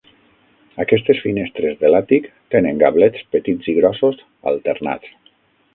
Aquestes finestres de l'àtic tenen gablets petits i grossos alternats.